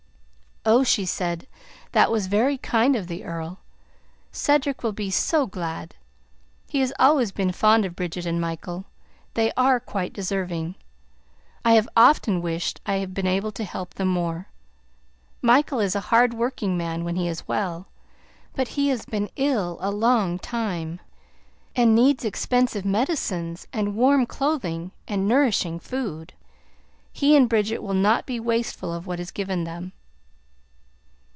"Oh!" she said, "that was very kind of the Earl; Cedric will be so glad! He has always been fond of Bridget and Michael. They are quite deserving. I have often wished I had been able to help them more. Michael is a hard working man when he is well, but he has been ill a long time and needs expensive medicines and warm clothing and nourishing food. He and Bridget will not be wasteful of what is given them."